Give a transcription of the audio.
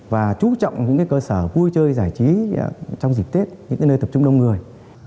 và chú trọng những cơ sở vui chơi giải trí trong dịp tết những nơi tập trung đông người